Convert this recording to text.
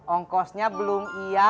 ongkosnya belum iya